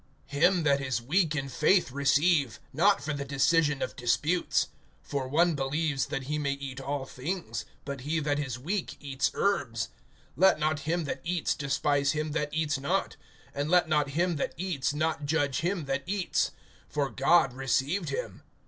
HIM that is weak in faith receive; not for the decision of disputes. (2)For one believes, that he may eat all things; but he that is weak eats herbs. (3)Let not him that eats despise him that eats not; and let not him that eats not judge him that eats; for God received him.